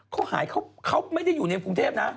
เขาหายเข้าเขาไม่ได้อยู่ในภูมิเทพนะ